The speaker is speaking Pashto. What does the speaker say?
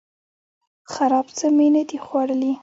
خراب څه می نه دي خوړلي